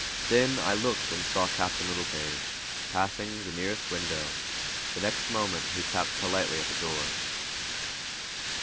Then I looked, and saw Captain Littlepage passing the nearest window; the next moment he tapped politely at the door.